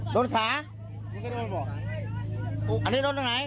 ตรงขาอันนี้ตรงไหนตรงแขน